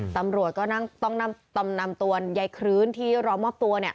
ตำรวจก็ต้องนำตัวยายคลื้นที่รอมอบตัว